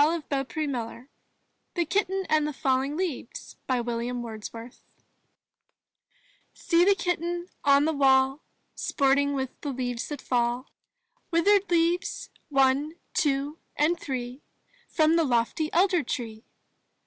184 IN THE NURSERY THE KITTEN AND FALLING LEAVES William Wordsworth See the Kitten on the wall, Sporting with the leaves that fall, Withered leaves — one — two — and three — From the lofty elder tree!